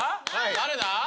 誰だ？